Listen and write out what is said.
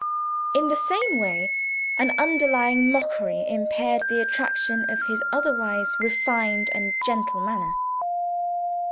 In the same way, an underlying mockery impaired the attraction of his otherwise refined and gentle manner.